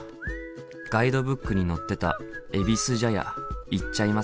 ガイドブックに載ってたえびす茶屋行っちゃいますか。